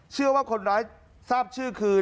เชื่อว่าคนร้ายทราบชื่อคือ